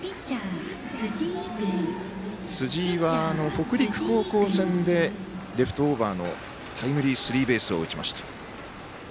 辻井は北陸高校戦でレフトオーバーのタイムリースリーベースを打ちました。